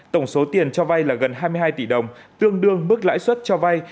tổng số tiền cho vay là gần hai mươi hai tỷ đồng tương đương mức lãi suất cho vay